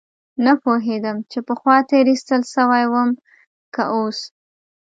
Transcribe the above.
نه پوهېدم چې پخوا تېر ايستل سوى وم که اوس.